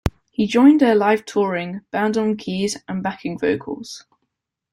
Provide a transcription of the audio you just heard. He joined their live touring band on keys and backing vocals.